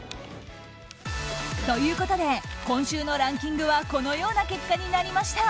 ということで今週のランキングはこのような結果になりました。